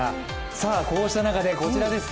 さあ、こうした中でこちらです。